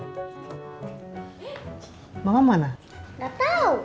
kamu lihat dulu